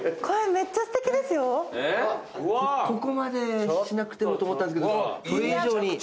ここまでしなくてもと思ったんですけどそれ以上に。